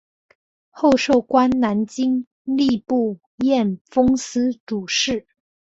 后授官南京吏部验封司主事。